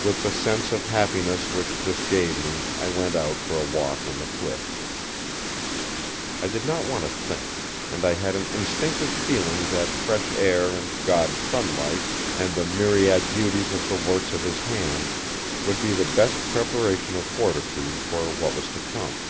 With the sense of happiness which this gave me I went out for a walk on the cliffs. I did not want to think; and I had an instinctive feeling that fresh air and God's sunlight, and the myriad beauties of the works of His hand would be the best preparation of fortitude for what was to come.